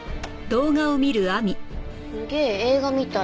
「すげえ映画みたい」